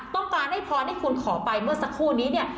ต้องการให้พรที่คุณขอไปเมื่อสักครู่นี้เนี่ย